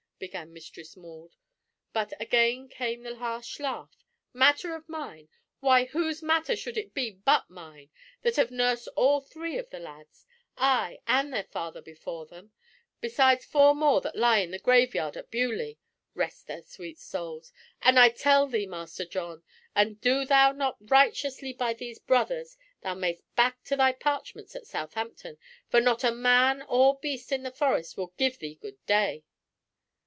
began Mistress Maud, but again came the harsh laugh. "Matter of mine! Why, whose matter should it be but mine, that have nursed all three of the lads, ay, and their father before them, besides four more that lie in the graveyard at Beaulieu? Rest their sweet souls! And I tell thee, Master John, an thou do not righteously by these thy brothers, thou mayst back to thy parchments at Southampton, for not a man or beast in the Forest will give thee good day."